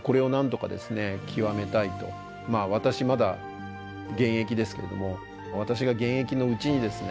私まだ現役ですけれども私が現役のうちにですね